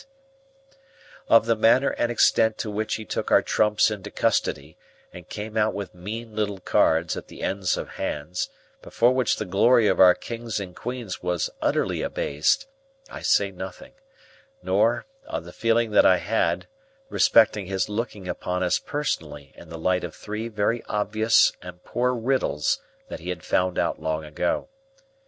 Of the manner and extent to which he took our trumps into custody, and came out with mean little cards at the ends of hands, before which the glory of our Kings and Queens was utterly abased, I say nothing; nor, of the feeling that I had, respecting his looking upon us personally in the light of three very obvious and poor riddles that he had found out long ago.